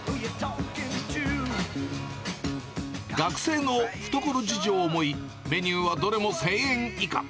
学生の懐事情を思い、メニューはどれも１０００円以下。